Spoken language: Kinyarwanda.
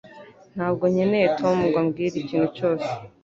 Ntabwo nkeneye Tom ngo ambwire ikintu cyose